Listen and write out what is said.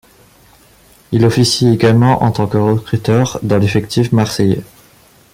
Il officie également en tant que recruteur dans l'effectif marseillais.